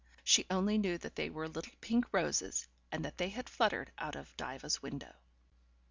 She only knew that they were little pink roses, and that they had fluttered out of Diva's window.